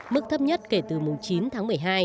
mức thấp nhất kể từ mùng chín tháng năm